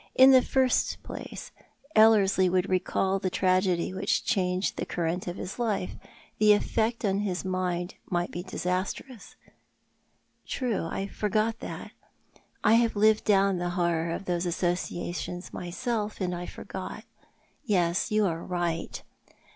" In the first place, Ellerslie would recall the tragedy which changed the current of his life ; the effect upon his mind might be disastrous." " True. I forgot that. I have lived down the horror of those associations myself, and I forgot. Yes ; you are right."